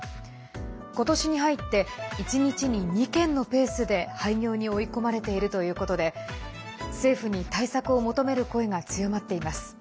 今年に入って１日に２軒のペースで廃業に追い込まれているということで政府に対策を求める声が強まっています。